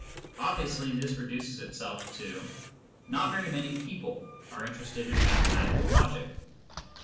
Obviously this reduces itself to, "Not very many people are interested in mathematical logic."